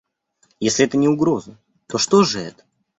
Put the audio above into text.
Если это не угроза, то что же это?